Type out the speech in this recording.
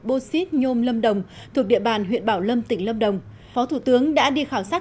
bô xít nhôm lâm đồng thuộc địa bàn huyện bảo lâm tỉnh lâm đồng phó thủ tướng đã đi khảo sát